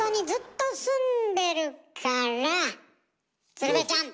鶴瓶ちゃん！